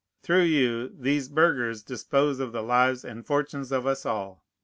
Through you, these burghers dispose of the lives and fortunes of us all.